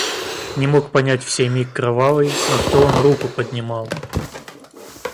Не мог понять в сей миг кровавый, На что он руку поднимал!..